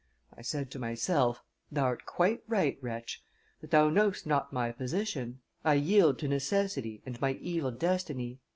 I said to myself: 'Thou'rt quite right, wretch; but thou know'st not my position; I yield to necessity and my evil destiny.